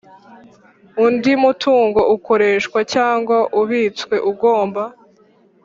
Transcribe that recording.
undi mutungo ukoreshwa cyangwa ubitswe ugomba